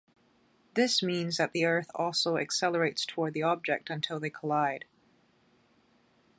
This means that the Earth also accelerates towards the object until they collide.